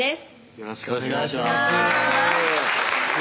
よろしくお願いします